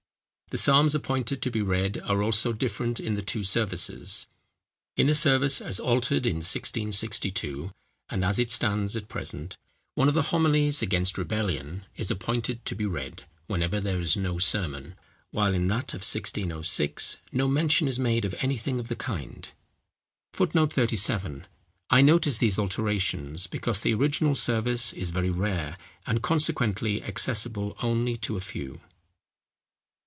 The psalms appointed to be read are also different in the two services. In the service as altered in 1662, and as it stands at present, one of the homilies against rebellion is appointed to be read, whenever there is no sermon, while in that of 1606, no mention is made of anything of the kind. [Footnote 37: I notice these alterations, because the original service is very rare, and consequently accessible only to a few.